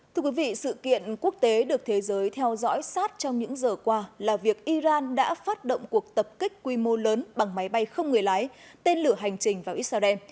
thưa quý vị sự kiện quốc tế được thế giới theo dõi sát trong những giờ qua là việc iran đã phát động cuộc tập kích quy mô lớn bằng máy bay không người lái tên lửa hành trình vào israel